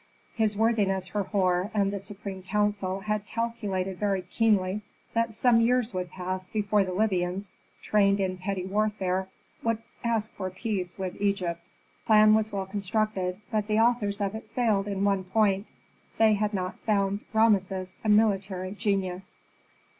His worthiness Herhor and the supreme council had calculated very keenly that some years would pass before the Libyans, trained in petty warfare, would ask for peace with Egypt. The plan was well constructed, but the authors of it failed in one point; they had not found Rameses a military genius.